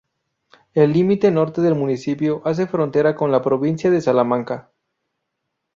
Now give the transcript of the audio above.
El límite norte del municipio hace frontera con la provincia de Salamanca.